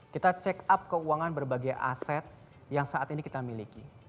kita check up keuangan berbagai aset yang saat ini kita miliki